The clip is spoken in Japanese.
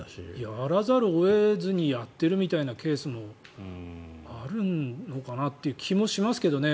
やらざるを得ずにやっているというケースもあるのかなって気もしますけどね。